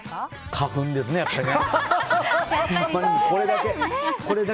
花粉ですね、やっぱりね。